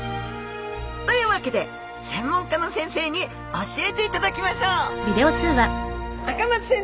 というわけで専門家の先生に教えていただきましょう赤松先生！